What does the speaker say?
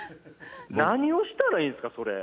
何をしたらいいんすかそれ。